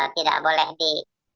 tidak boleh di